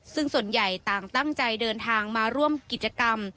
ซึ่งส่วนใหญ่ต่างตั้งใจเดินทางมาร่วมกิจกรรม